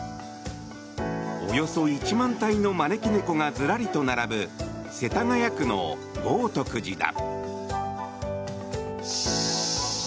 およそ１万体の招き猫がずらりと並ぶ世田谷区の豪徳寺だ。